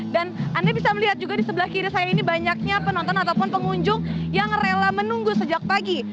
dan anda bisa melihat juga di sebelah kiri saya ini banyaknya penonton ataupun pengunjung yang rela menunggu sejak pagi